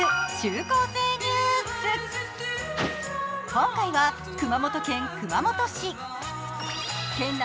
今回は熊本県熊本市。